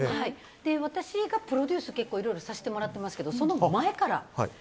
私もプロデュースいろいろさせてもらってますけどその前から。